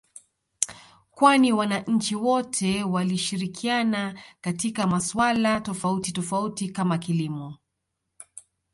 kwani wananchi wote walishirikiana katika masuala tofauti tofauti kama kilimo